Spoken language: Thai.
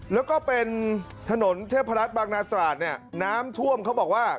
แล้วก็เป็นถนนเทพรัฐบางนาตราดเนี่ยน้ำท่วมเขาบอกว่า